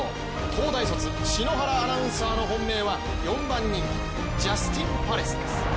東大卒・篠原アナウンサーの本命は、４番人気ジャスティンパレスです。